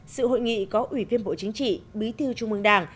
sự hội nghị có ủy viên bộ chính trị bí thư trung mương đảng